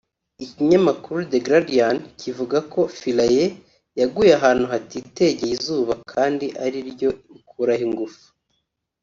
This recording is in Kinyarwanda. Ikinyamakuru The Guardian kivuga ko Philae yaguye ahantu hatitegeye izuba kandi ari ryo ikuraho ingufu